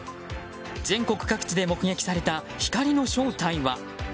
全国各地で目撃された光の正体は？